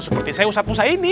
seperti saya ustadz musa ini